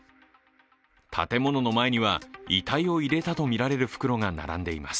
建物の前には遺体を入れたと見られる袋が並んでいます。